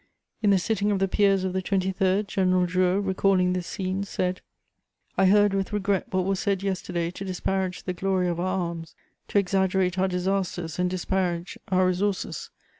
In the sitting of the Peers of the 23rd, General Drouot, recalling this scene, said: "I heard with regret what was said yesterday to disparage the glory of our arms, to exaggerate our disasters and disparage our resources.